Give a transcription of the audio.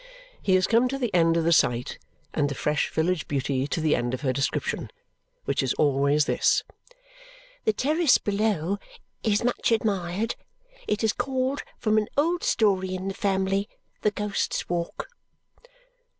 He has come to the end of the sight, and the fresh village beauty to the end of her description; which is always this: "The terrace below is much admired. It is called, from an old story in the family, the Ghost's Walk."